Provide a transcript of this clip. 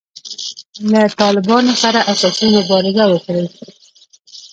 له طالبانو سره اساسي مبارزه وکړي.